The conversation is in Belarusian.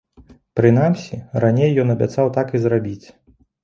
Прынамсі, раней ён абяцаў так і зрабіць.